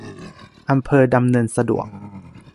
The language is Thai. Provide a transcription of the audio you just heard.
อำเภอดำเนินสะดวก